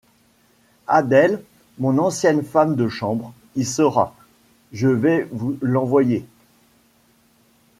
Adèle, mon ancienne femme de chambre, y sera ; je vais vous l’envoyer.